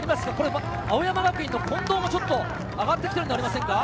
青山学院の近藤もちょっと上がってきているんじゃありませんか？